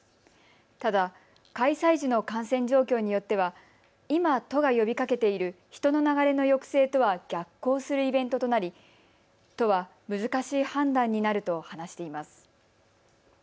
ただ開催時の感染状況によっては今、都が呼びかけている人の流れの抑制とは逆行するイベントとなり都は難しい判断になると話しています。